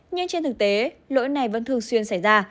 nhưng trên thực tế lỗi này vẫn thường xuyên xảy ra